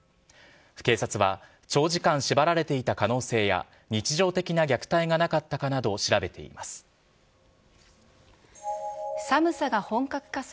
警察は、長時間縛られていた可能性や、日常的な虐待がなかったかなどを調べています。